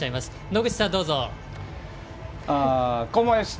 野口さん、どうぞ。